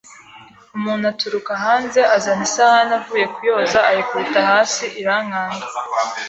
umuntu aturuka hanze azana isahane avuye kuyoza ayikubita hasi irankanga